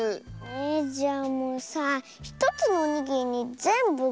えじゃあもうさ１つのおにぎりにぜんぶ